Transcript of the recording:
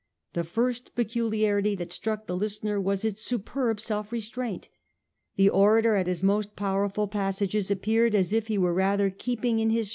The first peculiarity that struck the listener was its superb self restraint. The orator at his most powerful passages appeared as if he were rather keeping in his